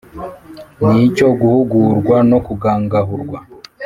ni icyo guhugurwa no kugangahurwa